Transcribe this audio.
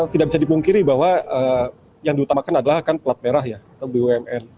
tidak bisa dipungkiri bahwa yang diutamakan adalah kan pelat merah ya atau bumn